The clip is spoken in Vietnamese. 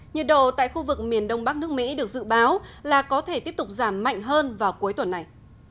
nhiệt độ tại khu vực miền đông bắc nước mỹ được dự báo là có thể tiếp tục giảm mạnh hơn vào cuối tuần này